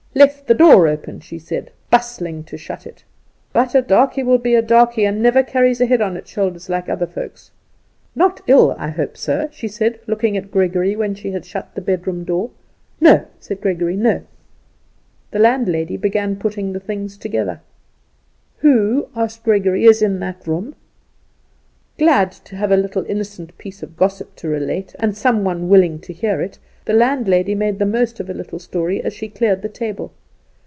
"Left the door open," she said, bustling to shut it; "but a darky will be a darky, and never carries a head on its shoulders like other folks. Not ill, I hope sir?" she said, looking at Gregory when she had shut the bedroom door. "No," said Gregory, "no." The landlady began putting the things together. "Who," asked Gregory, "is in that room?" Glad to have a little innocent piece of gossip to relate, and some one willing to hear it, the landlady made the most of a little story as she cleared the table.